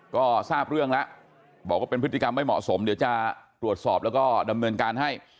ก็ทราบเรื่องแล้วบอกว่าเป็นพฤติกรรมไม่เหมาะสมเดี๋ยวจะตรวจสอบแล้วก็ดำเนินการให้